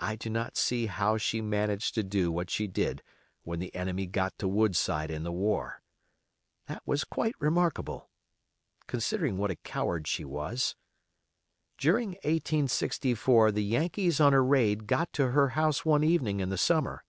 I do not see how she managed to do what she did when the enemy got to Woodside in the war. That was quite remarkable, considering what a coward she was. During 1864 the Yankees on a raid got to her house one evening in the summer.